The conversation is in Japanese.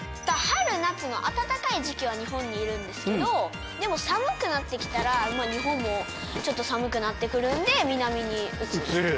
春夏の暖かい時期は日本にいるんですけどでも寒くなって来たら日本もちょっと寒くなって来るんで南に移る。